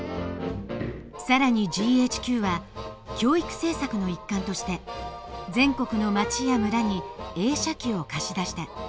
更にＧＨＱは教育政策の一環として全国の町や村に映写機を貸し出した。